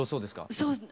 そうですね。